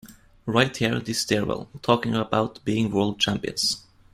Right here in this stairwell, talking about being world champions.